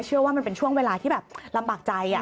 เชื่อว่ามันเป็นช่วงเวลาที่แบบลำบากใจ